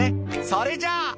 「それじゃ」